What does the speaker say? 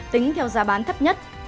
tính theo giá bán thấp nhất